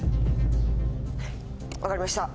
分かりました。